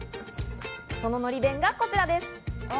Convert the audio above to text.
そののり弁がこちらです。